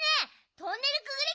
トンネルくぐり